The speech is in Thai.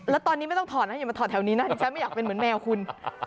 แล้วตอนนี้ไม่ต้องถอดนะอย่ามาถอดแถวนี้นะดิฉันไม่อยากเป็นเหมือนแมวคุณ